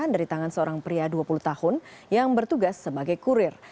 dari tangan seorang pria dua puluh tahun yang bertugas sebagai kurir